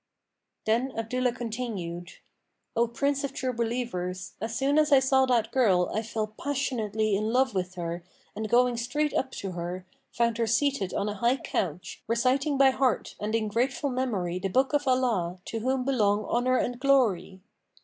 '" Then Abdullah continued, "O Prince of True Believers, as soon as I saw that girl I fell passionately in love with her and going straight up to her, found her seated on a high couch, reciting by heart and in grateful memory the Book of Allah, to whom belong honour and glory!